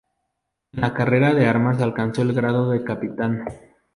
En la carrera de armas alcanzó el grado de capitán.